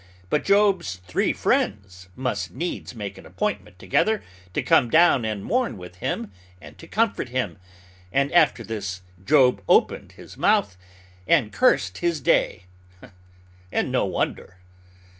But Job's three friends must needs make an appointment together to come and mourn with him and to comfort him, and after this Job opened his mouth, and cursed his day, and no wonder.